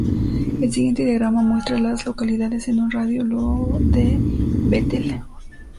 El siguiente diagrama muestra a las localidades en un radio de de Bethel.